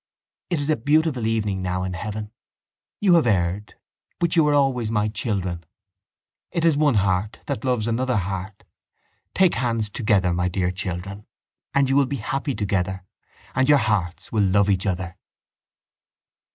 It is a beautiful evening now in heaven. You have erred but you are always my children. It is one heart that loves another heart. Take hands together, my dear children, and you will be happy together and your hearts will love each other.